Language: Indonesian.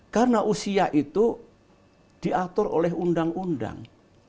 karena usia itu diatur oleh undang undang